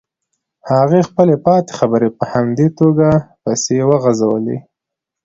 هغې خپلې پاتې خبرې په همدې توګه پسې وغزولې.